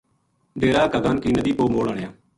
ڈیرا کاگان کی ندی پو موڑ آنیا